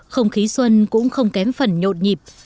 không khí xuân cũng không kém phần nhột nhịp